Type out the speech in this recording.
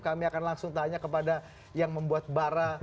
kami akan langsung tanya kepada yang membuat bara